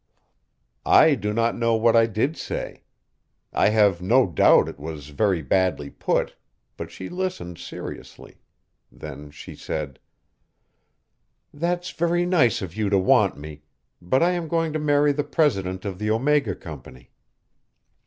I do not know what I did say. I have no doubt it was very badly put, but she listened seriously. Then she said: "That's very nice of you to want me, but I am going to marry the president of the Omega Company."